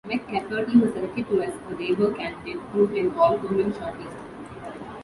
McCafferty was selected to as a Labour candidate through an all-women shortlist.